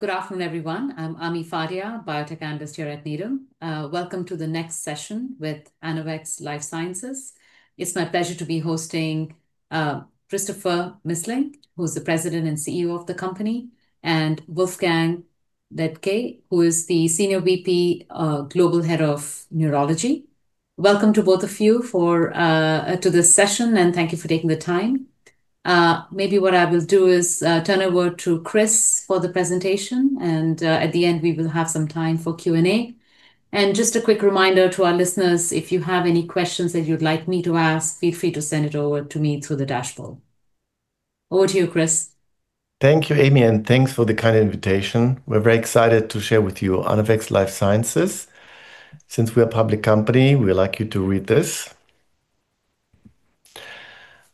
Good afternoon, everyone. I'm Ami Fadia, Biotech Analyst here at Needham. Welcome to the next session with Anavex Life Sciences. It's my pleasure to be hosting Christopher Missling, who is the President and CEO of the company, and Wolfgang Liedtke, who is the Senior VP Global Head of Neurology. Welcome to both of you to this session, and thank you for taking the time. Maybe what I will do is turn over to Chris for the presentation, and at the end we will have some time for Q&A. Just a quick reminder to our listeners, if you have any questions that you'd like me to ask, feel free to send it over to me through the dashboard. Over to you, Chris. Thank you, Ami, and thanks for the kind invitation. We're very excited to share with you Anavex Life Sciences. Since we're a public company, we would like you to read this.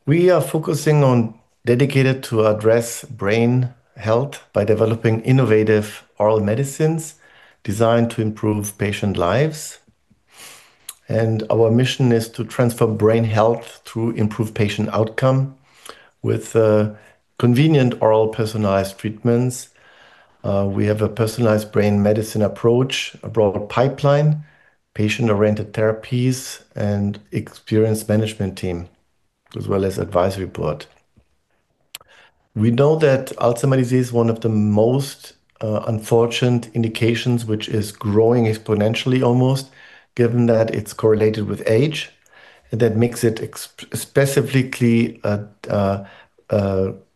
We are dedicated to address brain health by developing innovative oral medicines designed to improve patient lives. Our mission is to transform brain health through improved patient outcome with convenient oral personalized treatments. We have a personalized brain medicine approach, a broad pipeline, patient-oriented therapies, and experienced management team, as well as advisory board. We know that Alzheimer's disease is one of the most unfortunate indications, which is growing exponentially almost, given that it's correlated with age. That makes it specifically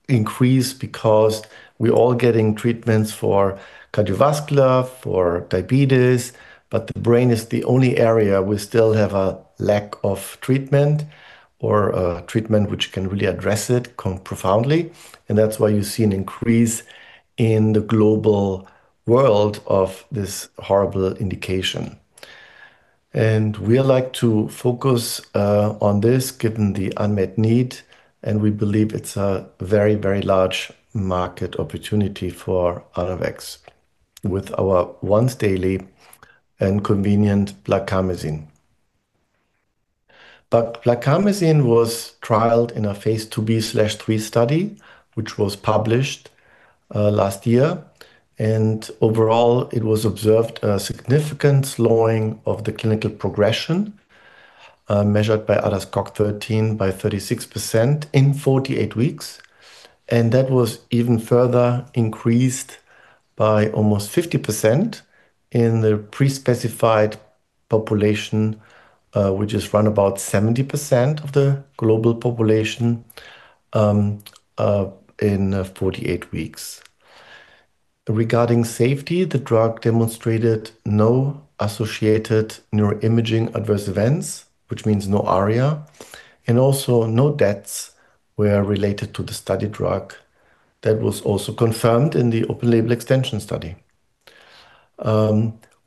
increase because we're all getting treatments for cardiovascular, for diabetes, but the brain is the only area we still have a lack of treatment, or a treatment which can really address it profoundly. That's why you see an increase in the global world of this horrible indication. We like to focus on this given the unmet need, and we believe it's a very large market opportunity for Anavex with our once daily and convenient blarcamesine. Blarcamesine was trialed in a phase IIb/III study, which was published last year, and overall, it was observed a significant slowing of the clinical progression, measured by ADAS-Cog-13 by 36% in 48 weeks. That was even further increased by almost 50% in the pre-specified population, which is round about 70% of the global population, in 48 weeks. Regarding safety, the drug demonstrated no associated neuroimaging adverse events, which means no ARIA, and also no deaths were related to the study drug. That was also confirmed in the open-label extension study.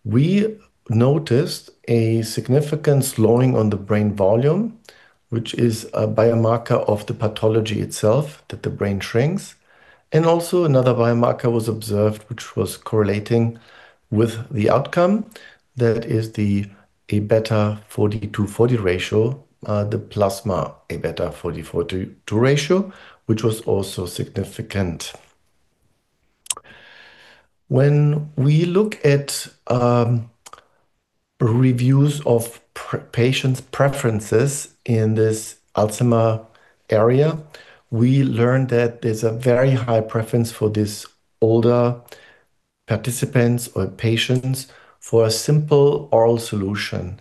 We noticed a significant slowing on the brain volume, which is a biomarker of the pathology itself, that the brain shrinks. Also another biomarker was observed, which was correlating with the outcome. That is the Aβ42/40 ratio, the plasma Aβ42/40 ratio, which was also significant. When we look at reviews of patients' preferences in this Alzheimer's area, we learned that there's a very high preference for these older participants or patients for a simple oral solution.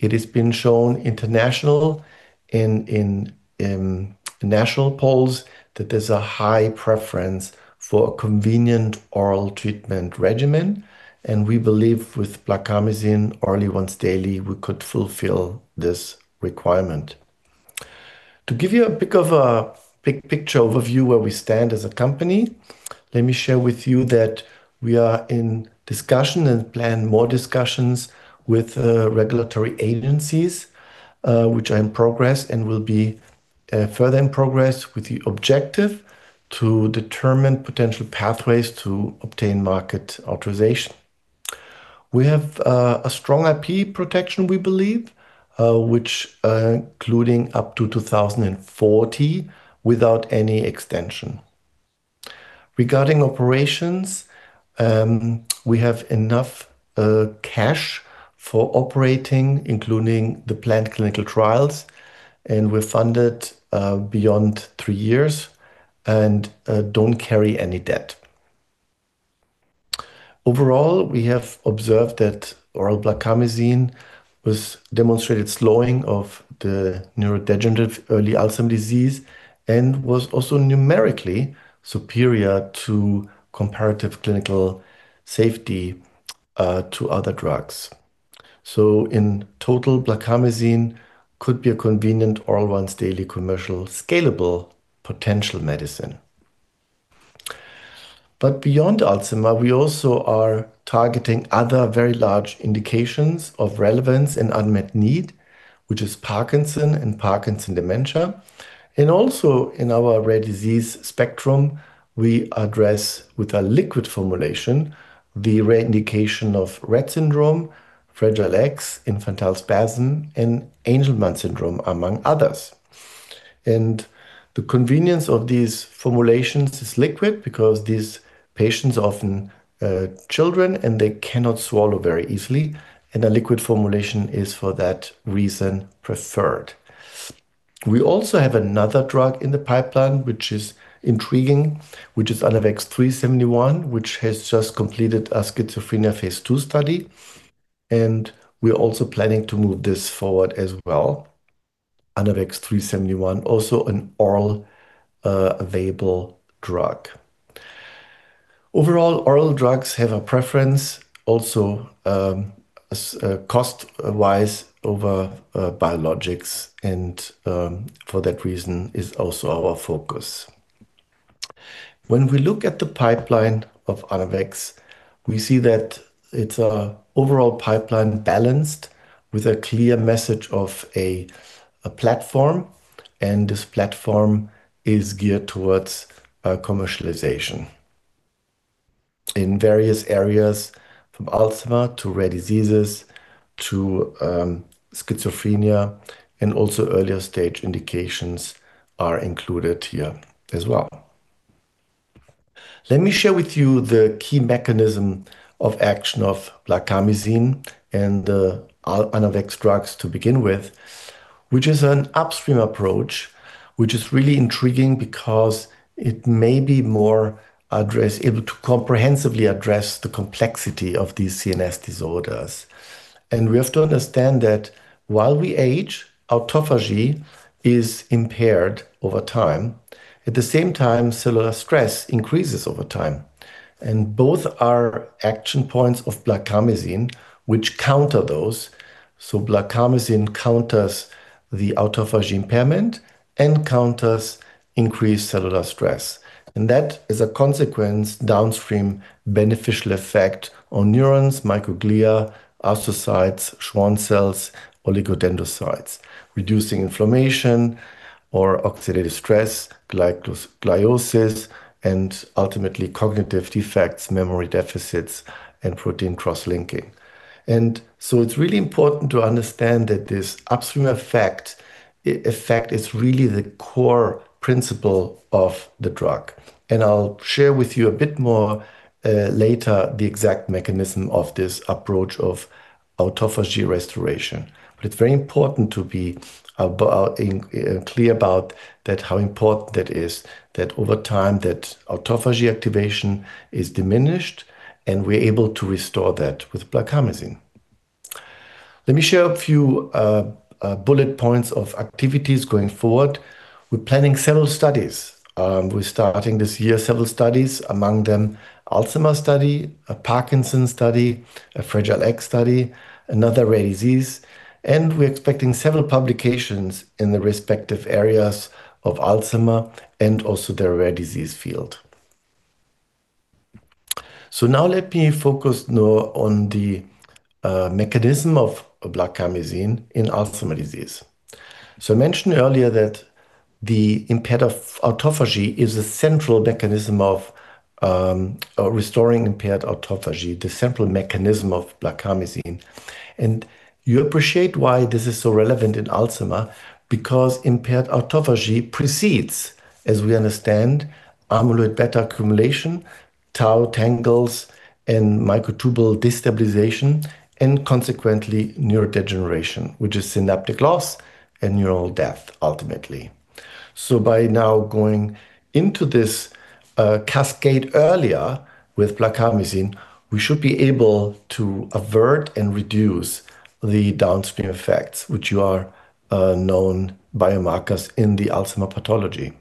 It has been shown international, in national polls, that there's a high preference for a convenient oral treatment regimen, and we believe with blarcamesine oral once daily, we could fulfill this requirement. To give you a bit of a big picture overview where we stand as a company, let me share with you that we are in discussion and plan more discussions with regulatory agencies, which are in progress and will be further in progress with the objective to determine potential pathways to obtain market authorization. We have a strong IP protection, we believe, which including up to 2040 without any extension. Regarding operations, we have enough cash for operating, including the planned clinical trials, and we're funded beyond three years and don't carry any debt. Overall, we have observed that oral blarcamesine has demonstrated slowing of the neurodegenerative early Alzheimer's disease and was also numerically superior to comparative clinical safety to other drugs. In total, blarcamesine could be a convenient oral once daily commercial scalable potential medicine. Beyond Alzheimer, we also are targeting other very large indications of relevance and unmet need, which is Parkinson and Parkinson dementia. In our rare disease spectrum, we address, with a liquid formulation, the rare indication of Rett syndrome, Fragile X, infantile spasms, and Angelman syndrome, among others. The convenience of these formulations is liquid because these patients are often children, and they cannot swallow very easily, and a liquid formulation is for that reason preferred. We also have another drug in the pipeline, which is intriguing, which is ANAVEX 3-71, which has just completed a schizophrenia phase II study, and we're also planning to move this forward as well. ANAVEX 3-71, also an oral available drug. Overall, oral drugs have a preference, also cost-wise over biologics, and for that reason is also our focus. When we look at the pipeline of Anavex, we see that it's an overall pipeline balanced with a clear message of a platform, and this platform is geared towards commercialization in various areas from Alzheimer to rare diseases to schizophrenia, and also earlier stage indications are included here as well. Let me share with you the key mechanism of action of blarcamesine and the Anavex drugs to begin with, which is an upstream approach, which is really intriguing because it may be more able to comprehensively address the complexity of these CNS disorders. We have to understand that while we age, autophagy is impaired over time. At the same time, cellular stress increases over time, and both are action points of blarcamesine, which counter those. Blarcamesine counters the autophagy impairment and counters increased cellular stress. That is a consequence downstream beneficial effect on neurons, microglia, astrocytes, Schwann cells, oligodendrocytes, reducing inflammation or oxidative stress, gliosis, and ultimately cognitive defects, memory deficits, and protein cross-linking. It's really important to understand that this upstream effect is really the core principle of the drug. I'll share with you a bit more later the exact mechanism of this approach of autophagy restoration. It's very important to be clear about how important that is, that over time that autophagy activation is diminished, and we're able to restore that with blarcamesine. Let me share a few bullet points of activities going forward. We're planning several studies. We're starting this year, several studies, among them Alzheimer's study, a Parkinson's study, a Fragile X study, another rare disease, and we're expecting several publications in the respective areas of Alzheimer and also the rare disease field. Now let me focus now on the mechanism of blarcamesine in Alzheimer's disease. I mentioned earlier that the impairment of autophagy is a central mechanism of restoring impaired autophagy, the central mechanism of blarcamesine. You appreciate why this is so relevant in Alzheimer's, because impaired autophagy precedes, as we understand, amyloid beta accumulation, tau tangles, and microtubule destabilization, and consequently, neurodegeneration, which is synaptic loss and neural death ultimately. By now going into this cascade earlier with blarcamesine, we should be able to avert and reduce the downstream effects, which are known biomarkers in the Alzheimer's pathology.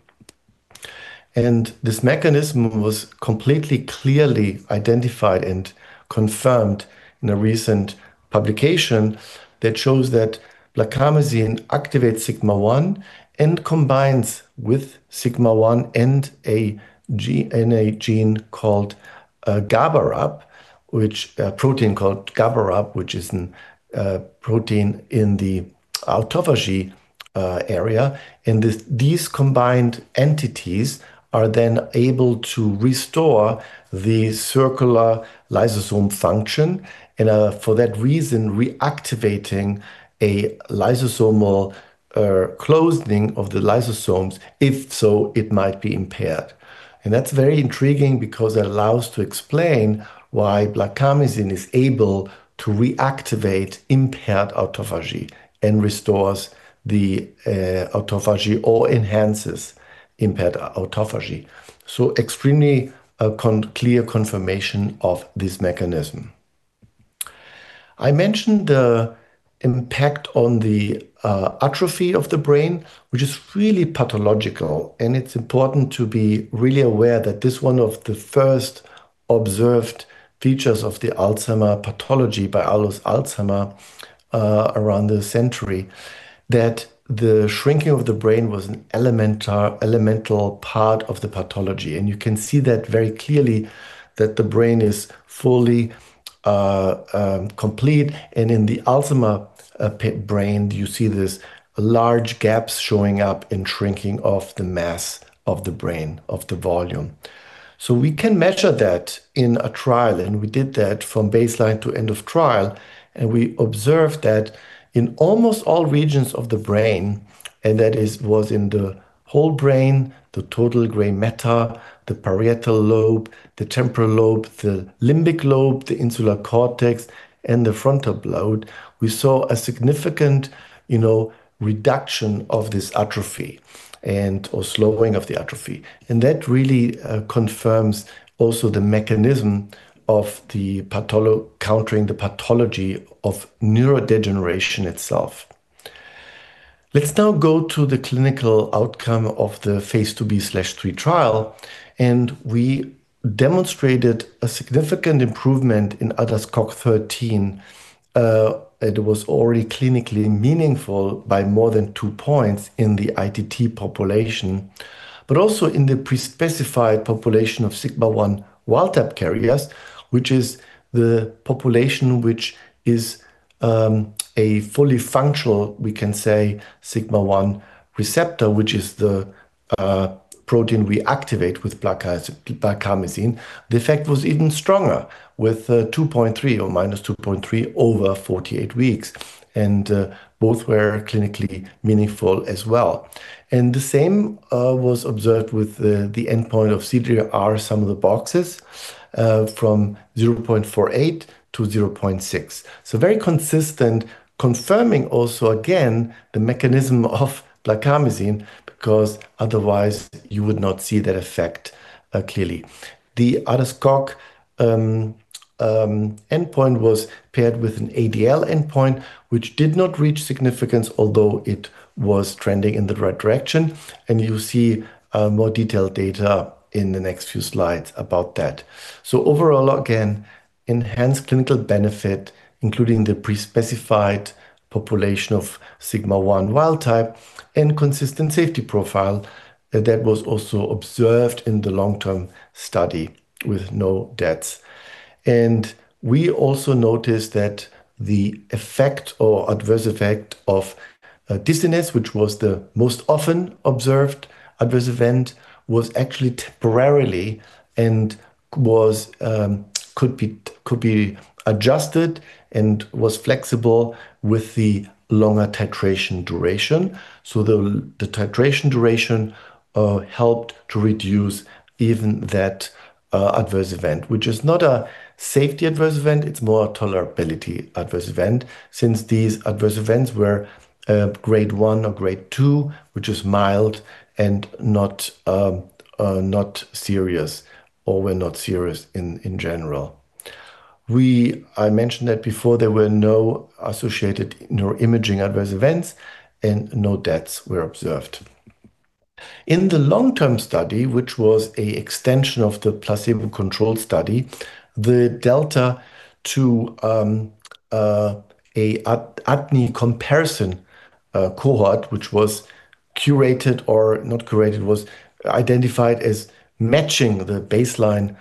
This mechanism was completely clearly identified and confirmed in a recent publication that shows that blarcamesine activates sigma-1 and combines with sigma-1 and a gene called GABARAP, a protein called GABARAP, which is an protein in the autophagy area. These combined entities are then able to restore the cellular lysosome function, and for that reason, reactivating a lysosomal closening of the lysosomes if so, it might be impaired. That's very intriguing because it allows to explain why blarcamesine is able to reactivate impaired autophagy and restores the autophagy or enhances impaired autophagy. Extremely clear confirmation of this mechanism. I mentioned the impact on the atrophy of the brain, which is really pathological, and it's important to be really aware that this is one of the first observed features of the Alzheimer's pathology by Alois Alzheimer around the century, that the shrinking of the brain was an elemental part of the pathology. You can see that very clearly that the brain is fully complete, and in the Alzheimer brain, you see these large gaps showing up and shrinking of the mass of the brain, of the volume. We can measure that in a trial, and we did that from baseline to end of trial, and we observed that in almost all regions of the brain. That was in the whole brain, the total gray matter, the parietal lobe, the temporal lobe, the limbic lobe, the insular cortex, and the frontal lobe. We saw a significant reduction of this atrophy or slowing of the atrophy. That really confirms also the mechanism of countering the pathology of neurodegeneration itself. Let's now go to the clinical outcome of the phase II-B/III trial. We demonstrated a significant improvement in ADAS-Cog 13. It was already clinically meaningful by more than two points in the ITT population, but also in the pre-specified population of sigma-1 wild type carriers, which is the population which is a fully functional, we can say, sigma-1 receptor, which is the protein we activate with blarcamesine. The effect was even stronger with 2.3 or -2.3 over 48 weeks, and both were clinically meaningful as well. The same was observed with the endpoint of CDR sum of the boxes from 0.48-0.6. Very consistent, confirming also, again, the mechanism of blarcamesine, because otherwise you would not see that effect clearly. The ADAS-Cog endpoint was paired with an ADL endpoint, which did not reach significance, although it was trending in the right direction. You'll see more detailed data in the next few slides about that. Overall, again, enhanced clinical benefit, including the pre-specified population of sigma-1 wild type and consistent safety profile that was also observed in the long-term study with no deaths. We also noticed that the effect or adverse effect of dizziness, which was the most often observed adverse event, was actually temporarily and could be adjusted and was flexible with the longer titration duration. The titration duration helped to reduce even that adverse event, which is not a safety adverse event, it's more a tolerability adverse event, since these adverse events were Grade one or Grade two, which is mild and not serious, or were not serious in general. I mentioned that before, there were no associated neuroimaging adverse events and no deaths were observed. In the long-term study, which was an extension of the placebo-controlled study, the delta to an ADNI comparison cohort, which was curated or not curated, was identified as matching the baseline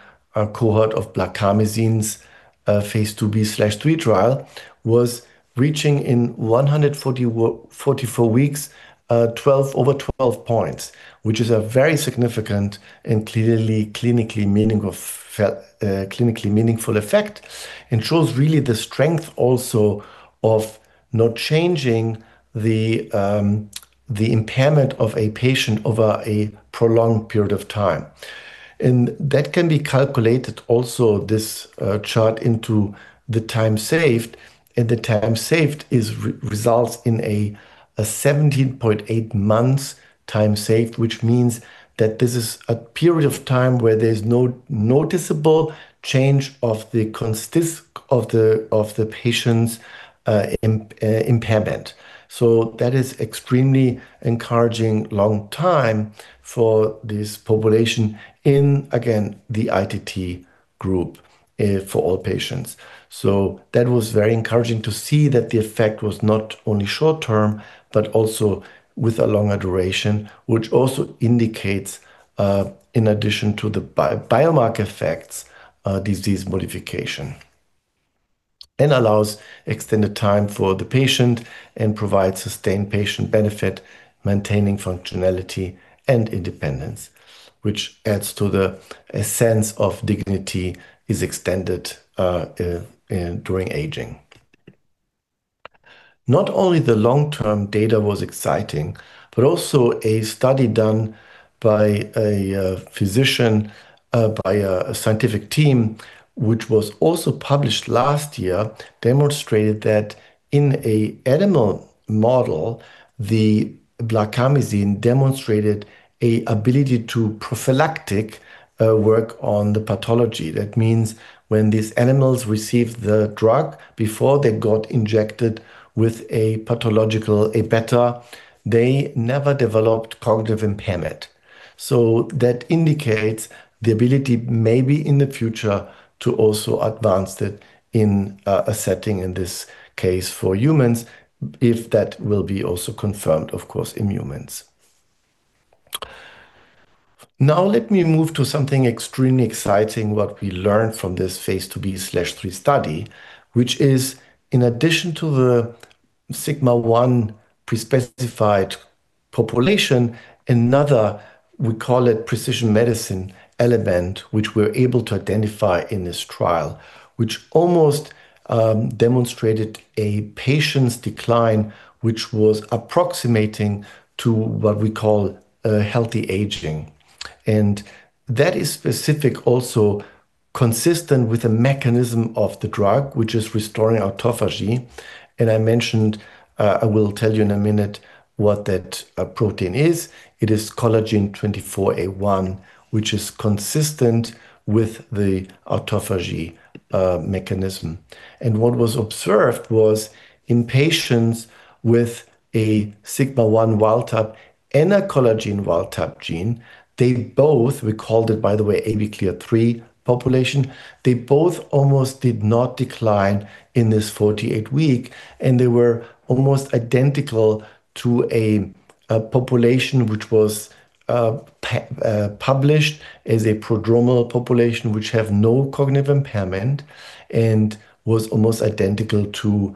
cohort of blarcamesine's phase II-B/III trial was reaching in 144 weeks over 12 points, which is a very significant and clearly clinically meaningful effect, and shows really the strength also of not changing the impairment of a patient over a prolonged period of time. That can be calculated also, this chart, into the time saved, and the time saved results in a 17.8 months time saved, which means that this is a period of time where there's no noticeable change of the patient's impairment. That is extremely encouraging long time for this population in, again, the ITT group for all patients. That was very encouraging to see that the effect was not only short-term, but also with a longer duration, which also indicates, in addition to the biomarker effects, disease modification. Allows extended time for the patient and provides sustained patient benefit, maintaining functionality and independence, which adds to the sense of dignity is extended during aging. Not only the long-term data was exciting, but also a study done by a physician, by a scientific team, which was also published last year, demonstrated that in a animal model, the blarcamesine demonstrated a ability to prophylactic work on the pathology. That means when these animals received the drug before they got injected with a pathological, amyloid beta, they never developed cognitive impairment. That indicates the ability maybe in the future to also advance it in a setting, in this case for humans, if that will be also confirmed, of course, in humans. Now let me move to something extremely exciting, what we learned from this phase II-B/III study, which is in addition to the sigma-1 pre-specified population, another, we call it precision medicine element, which we're able to identify in this trial, which almost demonstrated a patient's decline, which was approximating to what we call a healthy aging. That is specific also consistent with the mechanism of the drug, which is restoring autophagy. I mentioned, I will tell you in a minute what that protein is. It is COL24A1, which is consistent with the autophagy mechanism. What was observed was in patients with a sigma-1 wild-type and a collagen wild-type gene, they both, we called it by the way, ABCLEAR-3 population, they both almost did not decline in this 48-week, and they were almost identical to a population which was published as a prodromal population, which have no cognitive impairment and was almost identical to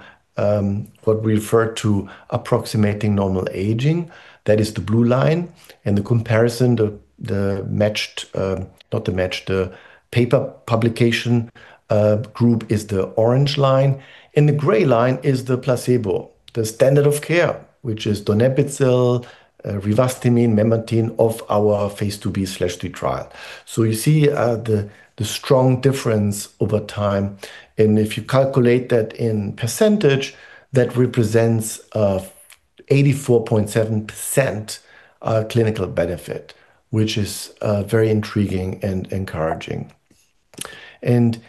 what we refer to approximating normal aging. That is the blue line. The comparison, the paper publication group is the orange line, and the gray line is the placebo, the standard of care, which is donepezil, rivastigmine, memantine of our phase II-B/III trial. You see the strong difference over time. If you calculate that in percentage, that represents 84.7% clinical benefit, which is very intriguing and encouraging. In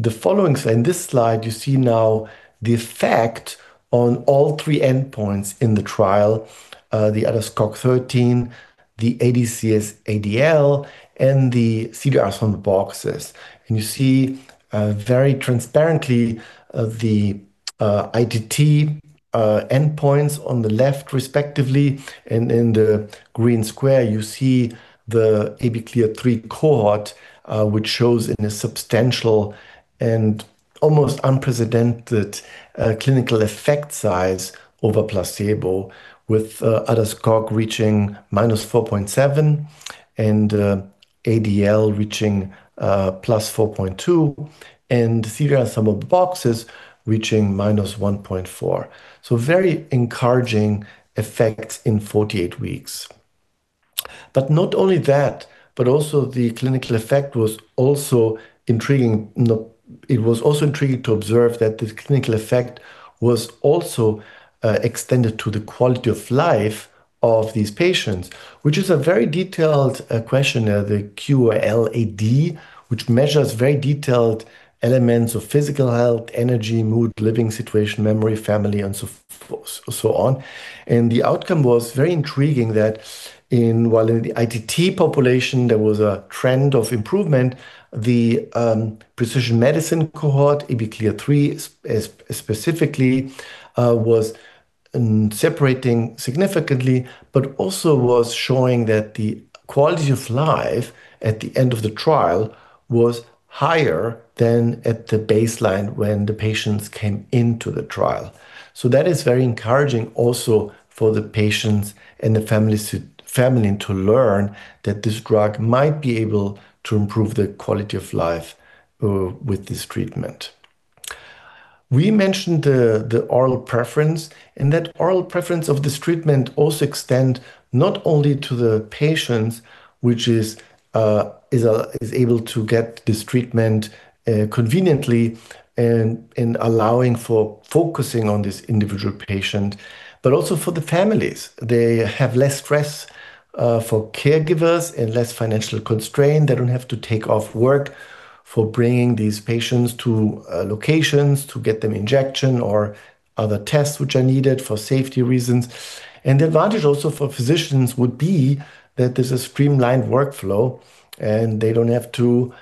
this slide, you see now the effect on all three endpoints in the trial, the ADAS-Cog-13, the ADCS-ADL, and the CDR Sum of Boxes. You see very transparently the ITT endpoints on the left respectively. In the green square, you see the ABCLEAR3 cohort, which shows in a substantial and almost unprecedented clinical effect size over placebo with ADAS-Cog reaching -4.7 and ADL reaching +4.2, and CDR sum of the boxes reaching -1.4. Very encouraging effects in 48 weeks. Not only that, but also the clinical effect was also intriguing to observe that this clinical effect was also extended to the quality of life of these patients, which is a very detailed questionnaire, the QOL-AD, which measures very detailed elements of physical health, energy, mood, living situation, memory, family, and so on. The outcome was very intriguing that while in the ITT population, there was a trend of improvement, the precision medicine cohort, ABCLEAR-3 specifically, was separating significantly, but also was showing that the quality of life at the end of the trial was higher than at the baseline when the patients came into the trial. That is very encouraging also for the patients and the family to learn that this drug might be able to improve the quality of life with this treatment. We mentioned the oral preference, and that oral preference of this treatment also extend not only to the patients, which is able to get this treatment conveniently and allowing for focusing on this individual patient, but also for the families. They have less stress for caregivers and less financial constraint. They don't have to take off work for bringing these patients to locations to get them injection or other tests which are needed for safety reasons. The advantage also for physicians would be that there's a streamlined workflow, and they don't have to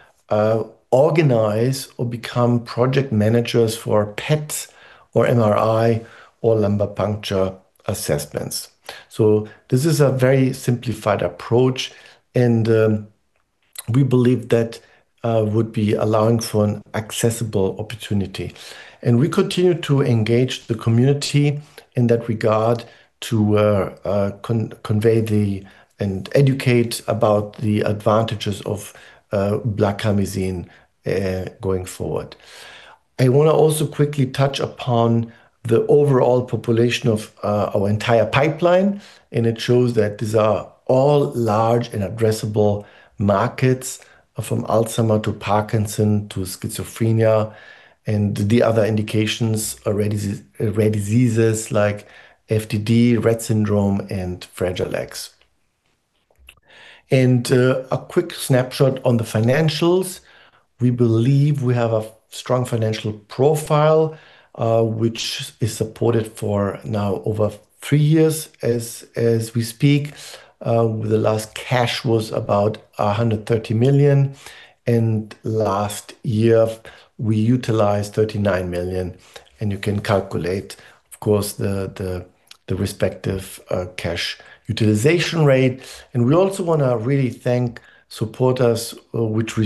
organize or become project managers for PET or MRI or lumbar puncture assessments. This is a very simplified approach, and we believe that would be allowing for an accessible opportunity. We continue to engage the community in that regard to convey and educate about the advantages of blarcamesine going forward. I want to also quickly touch upon the overall population of our entire pipeline, and it shows that these are all large and addressable markets from Alzheimer to Parkinson to schizophrenia, and the other indications are rare diseases like FTD, Rett syndrome, and Fragile X. A quick snapshot on the financials. We believe we have a strong financial profile, which is supported for now over three years as we speak. The last cash was about $130 million, and last year we utilized $39 million, and you can calculate, of course, the respective cash utilization rate. We also want to really thank supporters which we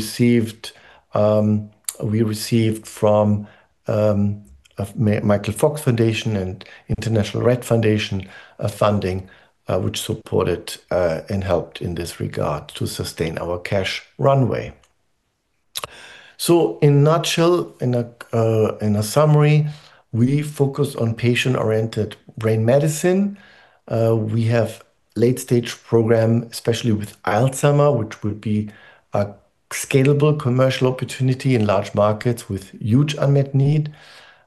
received from Michael Fox Foundation and International Rett Foundation, a funding which supported and helped in this regard to sustain our cash runway. In a nutshell, in a summary, we focus on patient-oriented brain medicine. We have late-stage program, especially with Alzheimer's, which will be a scalable commercial opportunity in large markets with huge unmet need.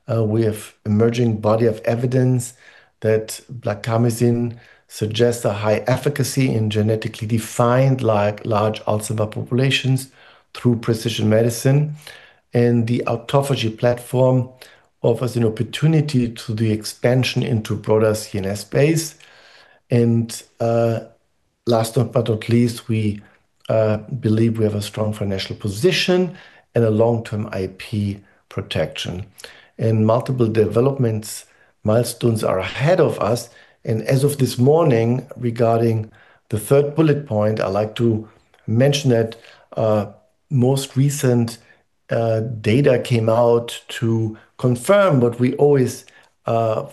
We have emerging body of evidence that blarcamesine suggests a high efficacy in genetically defined large Alzheimer populations through precision medicine. The autophagy platform offers an opportunity to the expansion into broader CNS space. Last but not least, we believe we have a strong financial position and a long-term IP protection. Multiple development milestones are ahead of us. As of this morning, regarding the third bullet point, I'd like to mention that most recent data came out to confirm what we always had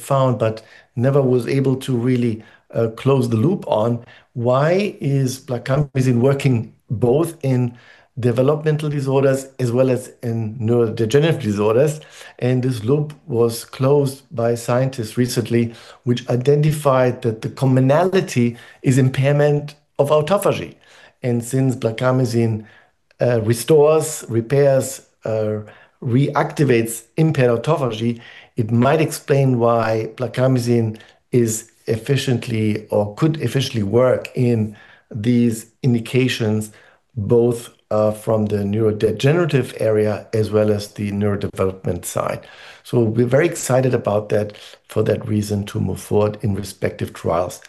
found, but never was able to really close the loop on why is blarcamesine working both in developmental disorders as well as in neurodegenerative disorders. This loop was closed by scientists recently, which identified that the commonality is impairment of autophagy. Since blarcamesine restores, repairs, reactivates impaired autophagy, it might explain why blarcamesine is efficiently or could efficiently work in these indications, both from the neurodegenerative area as well as the neurodevelopment side. We're very excited about that for that reason to move forward in respective trials.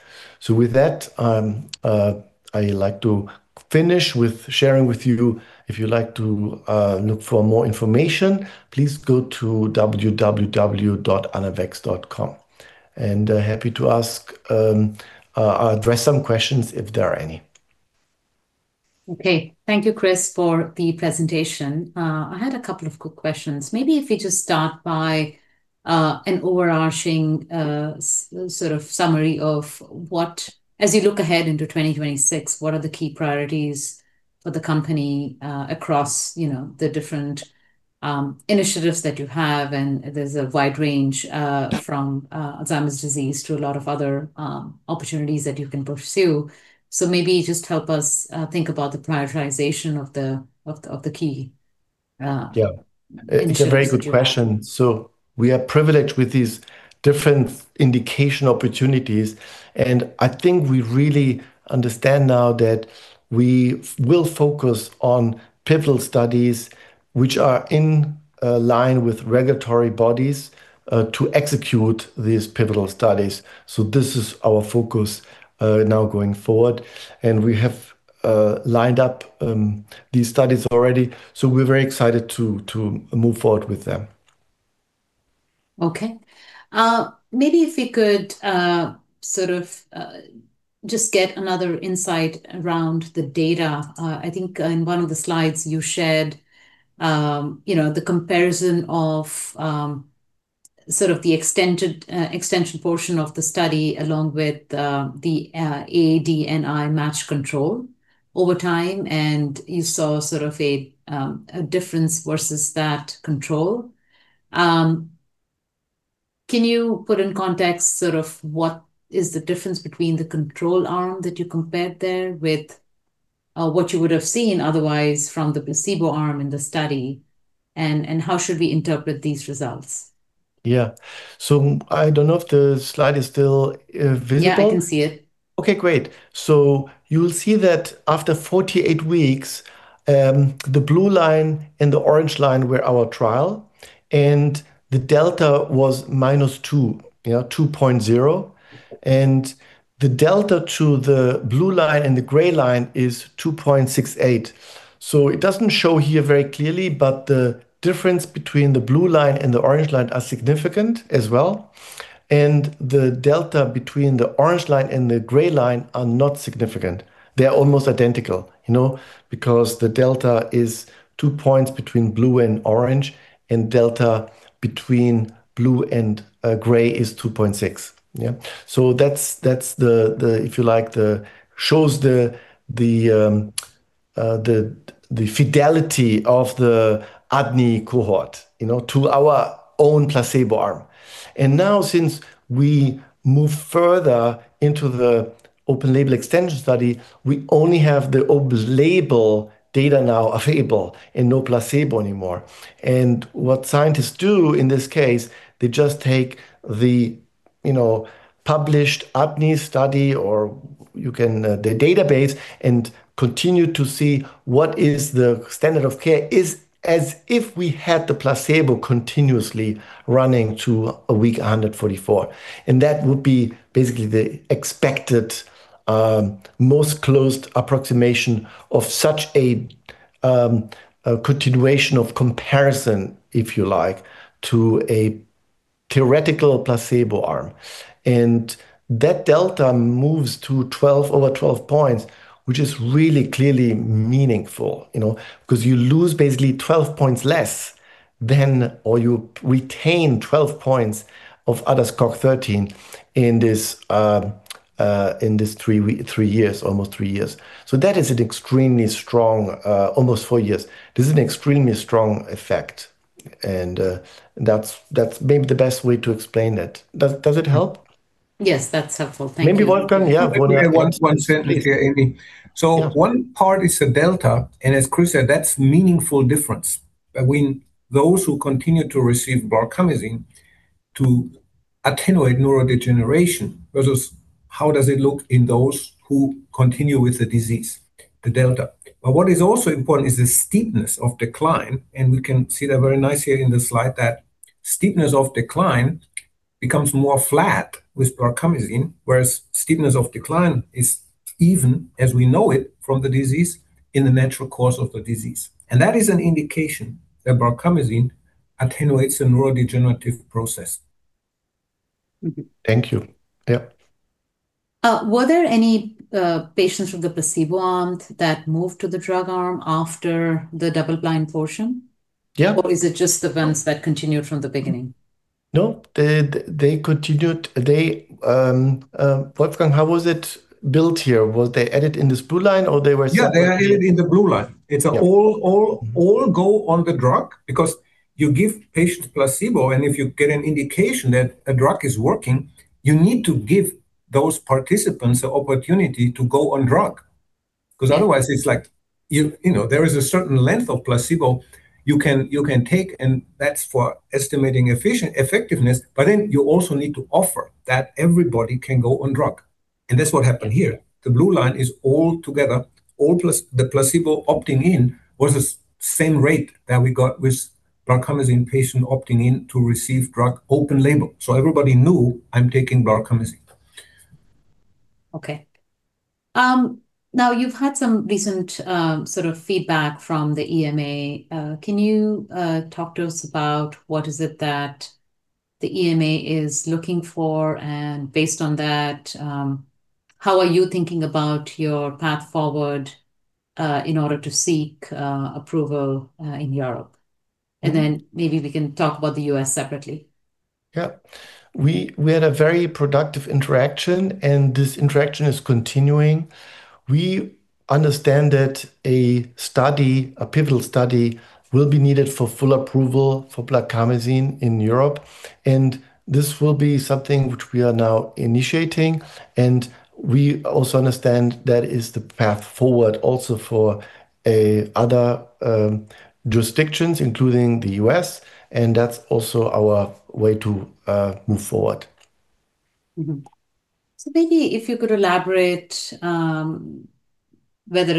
With that, I like to finish with sharing with you. If you like to look for more information, please go to www.anavex.com. I am happy to address some questions if there are any. Okay. Thank you, Chris, for the presentation. I had a couple of quick questions. Maybe if we just start by an overarching sort of summary of as you look ahead into 2026, what are the key priorities for the company across the different initiatives that you have? There's a wide range from Alzheimer's disease to a lot of other opportunities that you can pursue. Maybe just help us think about the prioritization of the key. Yeah. Initiatives you have. It's a very good question. We are privileged with these different indication opportunities, and I think we really understand now that we will focus on pivotal studies which are in line with regulatory bodies, to execute these pivotal studies. This is our focus now going forward. We have lined up these studies already, so we're very excited to move forward with them. Okay. Maybe if we could sort of just get another insight around the data. I think in one of the slides you shared the comparison of sort of the extension portion of the study along with the ADNI match control over time, and you saw sort of a difference versus that control. Can you put in context sort of what is the difference between the control arm that you compared there with what you would have seen otherwise from the placebo arm in the study? How should we interpret these results? Yeah. I don't know if the slide is still visible. Yeah, I can see it. Okay, great. You'll see that after 48 weeks, the blue line and the orange line were our trial, and the delta was -2, 2.0, and the delta to the blue line and the gray line is 2.68. It doesn't show here very clearly, but the difference between the blue line and the orange line are significant as well. The delta between the orange line and the gray line are not significant. They're almost identical because the delta is two points between blue and orange, and delta between blue and gray is 2.6. Yeah. That, if you like, shows the fidelity of the ADNI cohort to our own placebo arm. Now, since we move further into the open-label extension study, we only have the open-label data now available and no placebo anymore. What scientists do in this case, they just take the published ADNI study, or the database, and continue to see what is the standard of care is as if we had the placebo continuously running to week 144, and that would be basically the expected, most close approximation of such a continuation of comparison, if you like, to a theoretical placebo arm. That delta moves to 12 over 12 points, which is really clearly meaningful because you lose basically 12 points less. You retain 12 points of ADAS-Cog-13 in this almost three years. That is an extremely strong, almost four years. This is an extremely strong effect, and that's maybe the best way to explain it. Does it help? Yes, that's helpful. Thank you. Maybe Wolfgang, yeah. One second here, Ami. Yeah. One part is the delta, and as Chris said, that's meaningful difference between those who continue to receive blarcamesine to attenuate neurodegeneration versus how does it look in those who continue with the disease, the delta. What is also important is the steepness of decline, and we can see that very nice here in the slide. That steepness of decline becomes more flat with blarcamesine, whereas steepness of decline is even as we know it from the disease in the natural course of the disease. That is an indication that blarcamesine attenuates the neurodegenerative process. Thank you. Yep. Were there any patients from the placebo arm that moved to the drug arm after the double-blind portion? Yeah. Is it just the ones that continued from the beginning? No, they continued. Wolfgang, how was it built here? Were they added in this blue line, or they were separate? Yeah, they are added in the blue line. Yeah. It's all go on the drug because you give patient placebo. If you get an indication that a drug is working, you need to give those participants the opportunity to go on drug because otherwise, there is a certain length of placebo you can take. That's for estimating effectiveness. You also need to offer that everybody can go on drug. That's what happened here. The blue line is all together. The placebo opting in was the same rate that we got with blarcamesine patient opting in to receive drug open label. Everybody knew I'm taking blarcamesine. Okay. Now, you've had some recent sort of feedback from the EMA. Can you talk to us about what is it that the EMA is looking for? Based on that, how are you thinking about your path forward in order to seek approval in Europe? Maybe we can talk about the U.S. separately. Yeah. We had a very productive interaction, and this interaction is continuing. We understand that a pivotal study will be needed for full approval for blarcamesine in Europe, and this will be something which we are now initiating. We also understand that is the path forward also for other jurisdictions, including the U.S., and that's also our way to move forward. Mm-hmm. Maybe if you could elaborate, whether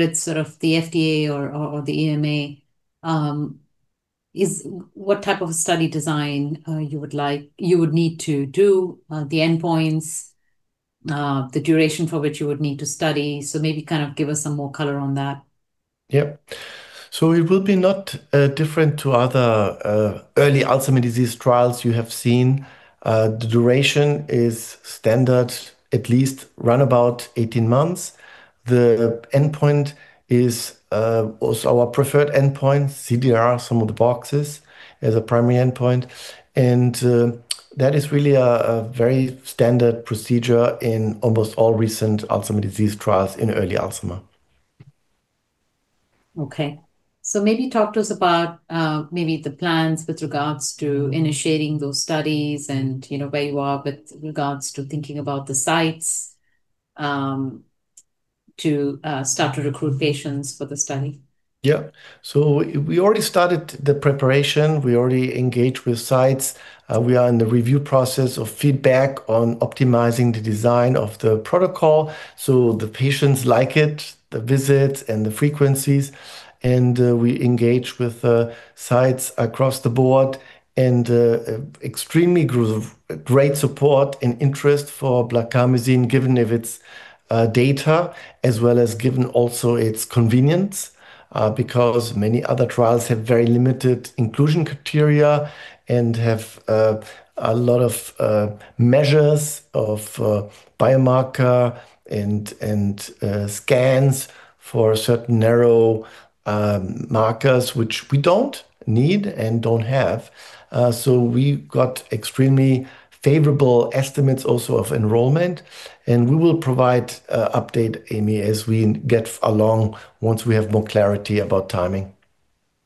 it's sort of the FDA or the EMA, what type of a study design you would need to do, the endpoints, the duration for which you would need to study. Maybe kind of give us some more color on that. Yeah. It will be not different to other early Alzheimer's disease trials you have seen. The duration is standard, at least roundabout 18 months. The endpoint is also our preferred endpoint, CDR, Sum of the Boxes as a primary endpoint. That is really a very standard procedure in almost all recent Alzheimer's disease trials in early Alzheimer. Okay. Maybe talk to us about maybe the plans with regards to initiating those studies and where you are with regards to thinking about the sites to start to recruit patients for the study. Yeah. We already started the preparation. We already engaged with sites. We are in the review process of feedback on optimizing the design of the protocol so the patients like it, the visits, and the frequencies. We engage with sites across the board and extremely great support and interest for blarcamesine, given of its data, as well as given also its convenience, because many other trials have very limited inclusion criteria and have a lot of measures of biomarker and scans for certain narrow markers, which we don't need and don't have. We got extremely favorable estimates also of enrollment, and we will provide update, Ami, as we get along, once we have more clarity about timing.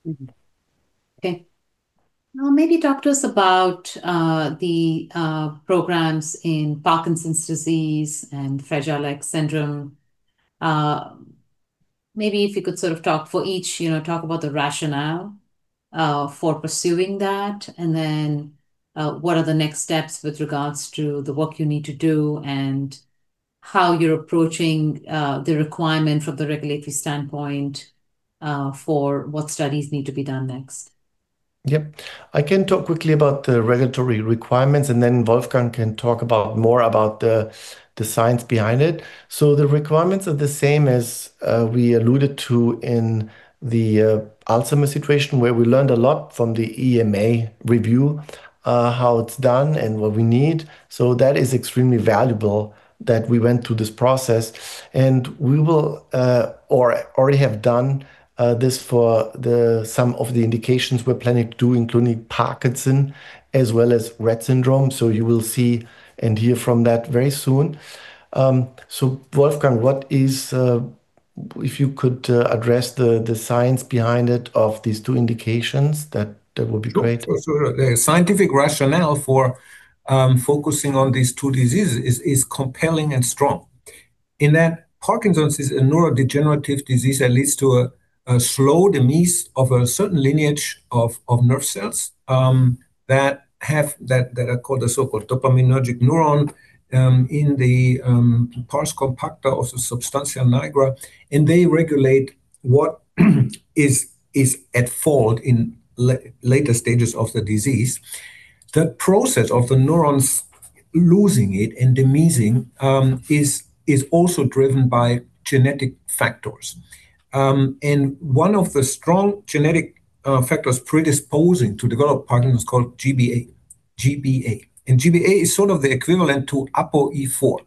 Mm-hmm. Okay. Now maybe talk to us about the programs in Parkinson's disease and Fragile X syndrome. Maybe if you could sort of talk for each, talk about the rationale for pursuing that, and then what are the next steps with regards to the work you need to do and how you're approaching the requirement from the regulatory standpoint, for what studies need to be done next? Yeah. I can talk quickly about the regulatory requirements, and then Wolfgang can talk more about the science behind it. The requirements are the same as we alluded to in the Alzheimer's situation, where we learned a lot from the EMA review, how it's done and what we need. That is extremely valuable that we went through this process, and we will or already have done this for some of the indications we're planning to do, including Parkinson as well as Rett syndrome. You will see and hear from that very soon. Wolfgang if you could address the science behind it of these two indications, that would be great. Sure. The scientific rationale for focusing on these two diseases is compelling and strong in that Parkinson's is a neurodegenerative disease that leads to a slow demise of a certain lineage of nerve cells that are called the so-called dopaminergic neuron in the pars compacta of the substantia nigra, and they regulate what is at fault in later stages of the disease. The process of the neurons losing it and demising is also driven by genetic factors. One of the strong genetic factors predisposing to develop Parkinson's is called GBA. GBA is sort of the equivalent to APOE4,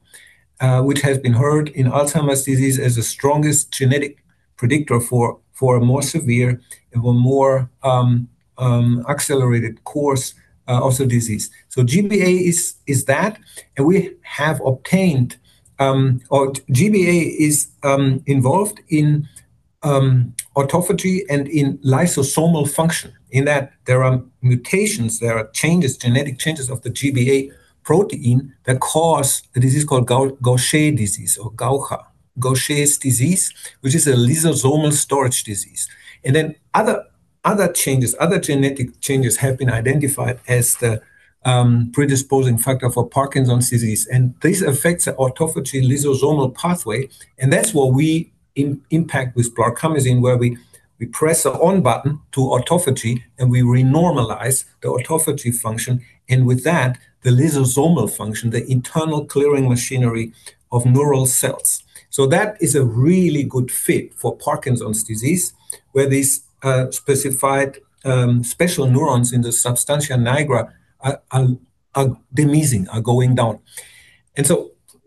which has been heard in Alzheimer's disease as the strongest genetic predictor for a more severe and a more accelerated course of the disease. GBA is that, and GBA is involved in autophagy and in lysosomal function in that there are mutations, there are changes, genetic changes of the GBA protein that cause the disease called Gaucher disease or Gaucher's disease, which is a lysosomal storage disease. Other changes, other genetic changes have been identified as the predisposing factor for Parkinson's disease. This affects the autophagy lysosomal pathway, and that's what we impact with blarcamesine, where we press an on button to autophagy, and we re-normalize the autophagy function, and with that, the lysosomal function, the internal clearing machinery of neural cells. That is a really good fit for Parkinson's disease, where these specified special neurons in the substantia nigra are demising, are going down.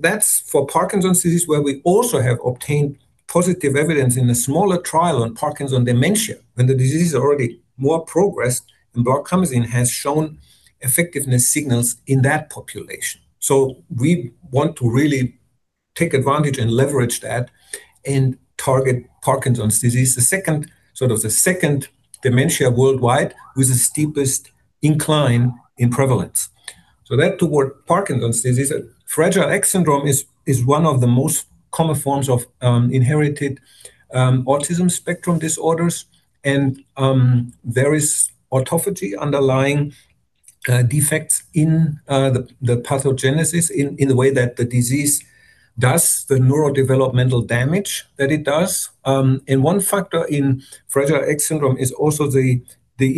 That's for Parkinson's disease, where we also have obtained positive evidence in a smaller trial on Parkinson's dementia, when the disease is already more progressed, and blarcamesine has shown effectiveness signals in that population. We want to really take advantage and leverage that and target Parkinson's disease, the second dementia worldwide with the steepest incline in prevalence. That toward Parkinson's disease. Fragile X syndrome is one of the most common forms of inherited autism spectrum disorders, and there is autophagy underlying defects in the pathogenesis in the way that the disease does the neurodevelopmental damage that it does. One factor in Fragile X syndrome is also the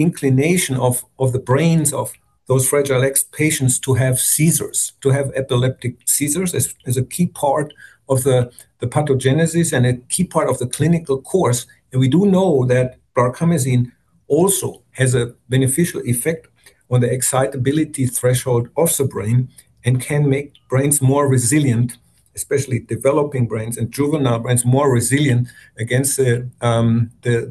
inclination of the brains of those Fragile X patients to have seizures, to have epileptic seizures, is a key part of the pathogenesis and a key part of the clinical course. We do know that blarcamesine also has a beneficial effect on the excitability threshold of the brain and can make brains more resilient, especially developing brains and juvenile brains, more resilient against the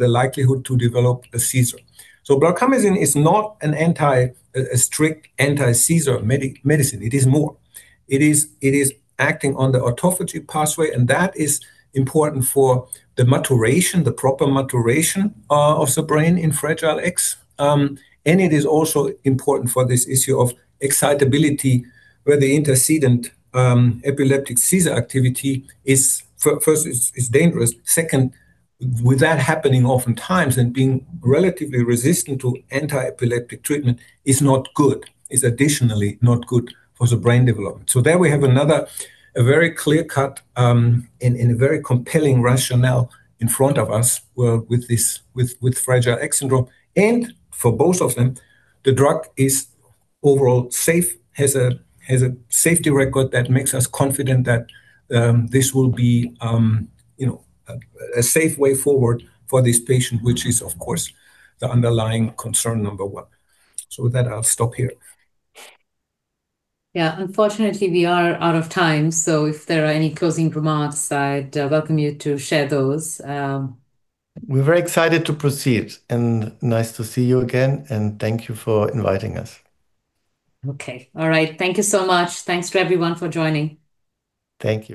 likelihood to develop a seizure. blarcamesine is not a strict anti-seizure medicine. It is more. It is acting on the autophagy pathway, and that is important for the maturation, the proper maturation of the brain in Fragile X. It is also important for this issue of excitability, where the intermittent epileptic seizure activity is, first, it's dangerous. Second, with that happening oftentimes and being relatively resistant to anti-epileptic treatment is not good. It's additionally not good for the brain development. There we have another, a very clear-cut, and a very compelling rationale in front of us with Fragile X syndrome. For both of them, the drug is overall safe, has a safety record that makes us confident that this will be a safe way forward for this patient, which is, of course, the underlying concern number one. With that, I'll stop here. Yeah. Unfortunately, we are out of time, so if there are any closing remarks, I'd welcome you to share those. We're very excited to proceed, and nice to see you again, and thank you for inviting us. Okay. All right. Thank you so much. Thanks to everyone for joining. Thank you.